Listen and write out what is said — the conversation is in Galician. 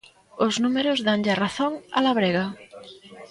Os números danlle a razón á labrega.